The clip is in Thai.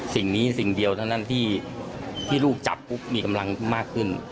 สิ่งนี้สิ่งเดียวเท่านั้นที่ลูกจับปุ๊บมีกำลังมากขึ้น